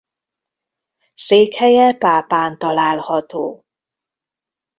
Székhelye Pápán található.